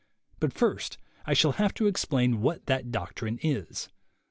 But first I shall have to explain what that doctrine is.